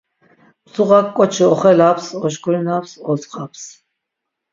Mzuğak k̆oçi oxelaps, oşkurinaps, odzğaps.